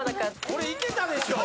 これいけたでしょ